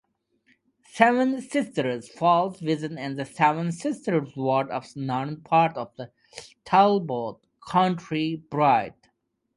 Seven Sisters falls within the Seven Sisters ward of Neath Port Talbot county borough.